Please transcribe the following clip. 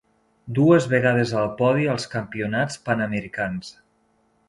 Dues vegades al podi als Campionats Panamericans.